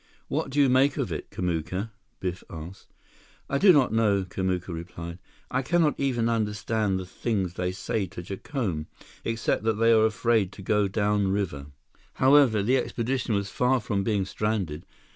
"What do you make of it, Kamuka?" Biff asked. "I do not know," Kamuka replied. "I cannot even understand the things they say to Jacome, except that they are afraid to go downriver." However, the expedition was far from being stranded.